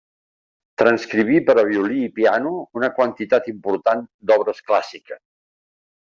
Transcriví per a violí i piano una quantitat important d'obres clàssiques.